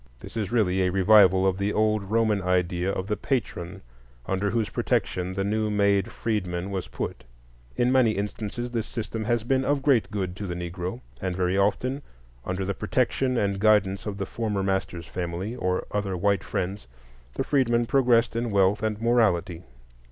This is really a revival of the old Roman idea of the patron under whose protection the new made freedman was put. In many instances this system has been of great good to the Negro, and very often under the protection and guidance of the former master's family, or other white friends, the freedman progressed in wealth and morality.